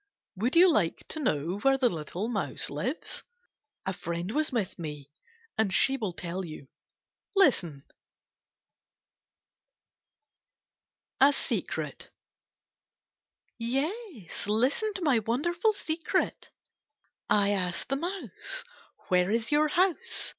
Would you like to know where the little mouse lives ? A friend was with me and she will tell you. Listen ! 62 KITTENS AKD CATS A SECEET Yes, listen to my wonderful secret! I asked the mouse, * Where is your house